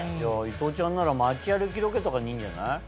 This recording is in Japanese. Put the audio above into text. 伊藤ちゃんなら街歩きロケとかにいいんじゃない？